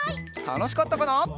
たのしかったかな？